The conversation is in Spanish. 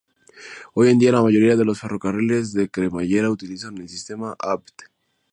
Hoy en día, la mayoría de los ferrocarriles de cremallera utilizan el sistema Abt.